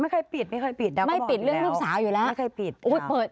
ไม่เคยปิดไม่เคยปิดไม่ปิดเรื่องลูกสาวอยู่แล้วไม่เคยปิด